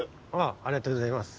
ありがとうございます。